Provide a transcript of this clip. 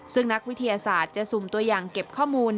ซึ่งนักวิทยาศาสตร์จะสุ่มตัวอย่างเก็บข้อมูล